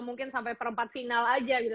mungkin sampai perempat final aja gitu